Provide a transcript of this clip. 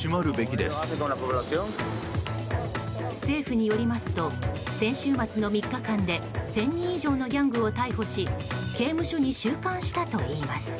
政府によりますと先週末の３日間で１０００人以上のギャングを逮捕し刑務所に収監したといいます。